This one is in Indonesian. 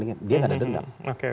dia nggak ada dendam